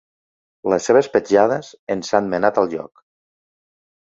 Les seves petjades ens han menat al lloc.